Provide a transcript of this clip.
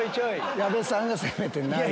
矢部さんが攻めてない。